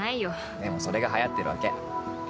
でもそれが流行ってるわけ。